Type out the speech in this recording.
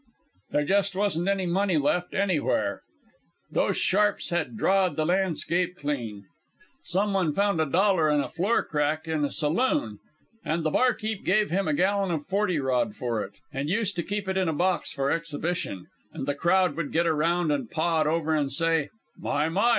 There just wasn't any money left anywhere. Those sharps had drawed the landscape clean. Some one found a dollar in a floor crack in a saloon, and the barkeep' gave him a gallon of forty rod for it, and used to keep it in a box for exhibition, and the crowd would get around it and paw it over and say: 'My! my!